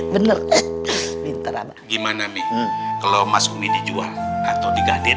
bener bener gimana kalau masuk ini jual atau